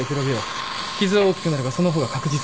創は大きくなるがそのほうが確実だ。